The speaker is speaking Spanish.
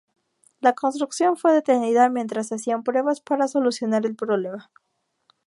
La construcción fue detenida mientras se hacían pruebas para solucionar el problema.